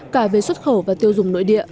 cả về xuất khẩu và tiêu dùng